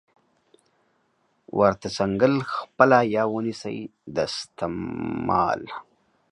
ورته څنګل خپله یا ونیسئ دستمال